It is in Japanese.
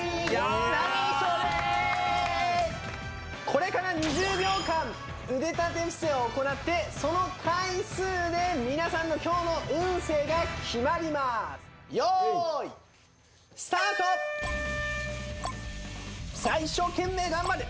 これから２０秒間腕立て伏せを行ってその回数で皆さんの今日の運勢が決まります用意スタートさあ一生懸命頑張る